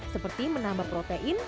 seperti menambah protein